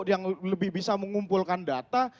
yang lebih bisa mengumpulkan data